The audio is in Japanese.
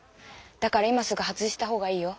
だから今すぐ外した方がいいよ。